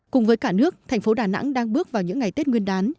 cùng với cả nước thành phố đà nẵng đang bước vào những ngày tết nguyên đán